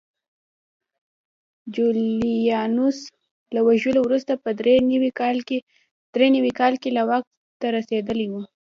جولیانوس له وژلو وروسته په درې نوي کال کې واک ته رسېدلی و